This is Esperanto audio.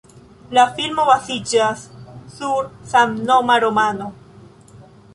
La filmo baziĝas sur samnoma romano.